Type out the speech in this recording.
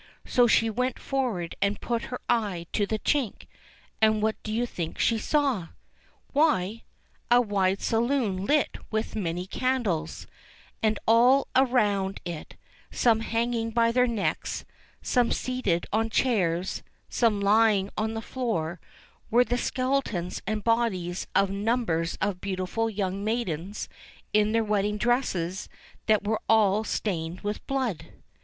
So she went forward and put her eye to the chink — and what do you think she saw ? Why ! a wide saloon Ht with many candles, and all round it, some hanging by their necks, some seated on chairs, some lying on the floor, were the skeletons and bodies of numbers of beautiful young maidens in their wedding dresses that were all stained with blood.